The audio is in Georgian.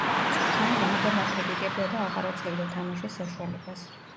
მწვრთნელი მუდამ აკრიტიკებდა და აღარ აძლევდა თამაშის საშუალებას.